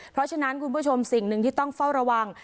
เพราะฉะนั้นคุณผู้ชมสิ่งหนึ่งที่ต้องเฝ้าระวัง